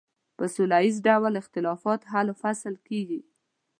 په سوله ایز ډول اختلافونه حل و فصل کیږي.